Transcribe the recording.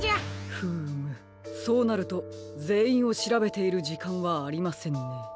フームそうなるとぜんいんをしらべているじかんはありませんね。